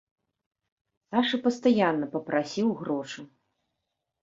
Саша пастаянна папрасіў грошы.